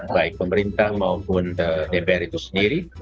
baik pemerintah maupun dpr itu sendiri